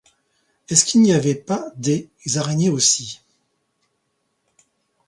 Est-ce qu'il n'y avait pas des araignées aussi !